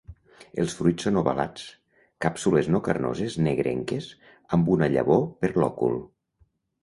Els fruits són ovalats, càpsules no carnoses negrenques, amb una llavor per lòcul.